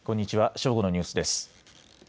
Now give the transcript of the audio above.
正午のニュースです。